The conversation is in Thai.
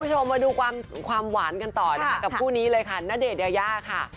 คุณผู้ชมมาดูความหวานกันต่อนะคะกับคู่นี้เลยค่ะณเดชนยายาค่ะ